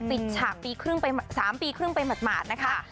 ปิดฉาก๓ปีครึ่งไปหมดหมาดนะคะ